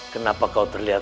kenapa kau terlihat